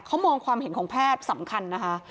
เขามองความเห็นของแพทย์สำคัญนะคะ